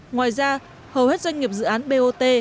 ngoài ra hầu hết doanh nghiệp dự án bot